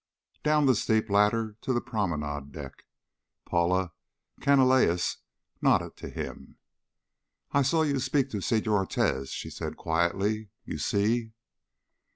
Down the steep ladder to the promenade deck. Paula Canalejas nodded to him. "I saw you speak to Senor Ortiz," she said quietly. "You see?"